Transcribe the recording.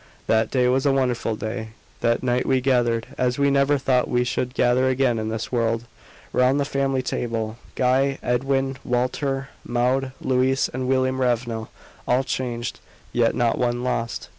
That day was a wonderful day. That night we gathered, as we never thought we should gather again in this world, round the family table Guy, Edwin, Walter, Maud, Louise, and William Ravenel all changed, yet not one lost.